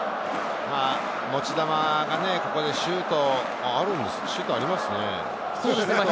持ち球がここでシュート、ありますね。